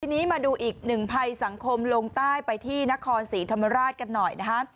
ทีนี้มาดูอีกหนึ่งภัยสังคมลงใต้ไปที่นครศรีธรรมราชกันหน่อยนะฮะ